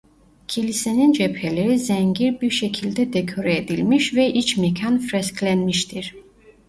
Kilisenin cepheleri zengin bir şekilde dekore edilmiş ve iç mekan fresklenmiştir.